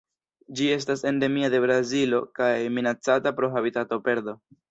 Ĝi estas endemia de Brazilo kaj minacata pro habitatoperdo.